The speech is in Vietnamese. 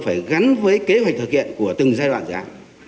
phải gắn với kế hoạch thực hiện của từng giai đoạn dự án